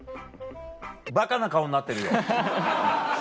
バカな顔になってるよ。